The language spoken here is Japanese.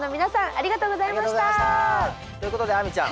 ありがとうございました！ということで亜美ちゃん。